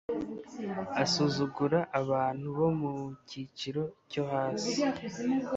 Asuzugura abantu bo mu cyiciro cyo hasi.